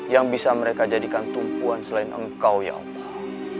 yang bisa mereka jadikan tumpuan selain engkau ya allah